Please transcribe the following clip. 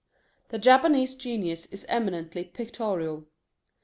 The Japanese genius is eminently pictorial.